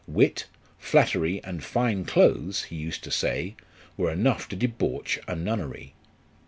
Wit, flattery, and fine clothes, he used to say, were enough to debauch a nunnery.